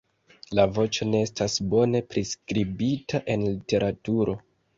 La voĉo ne estas bone priskribita en literaturo.